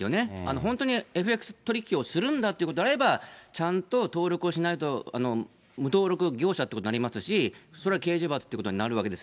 本当にＦＸ取引するんだということであれば、ちゃんと登録をしないと、無登録業者っていうことになりますし、それは刑事罰ということになるわけです。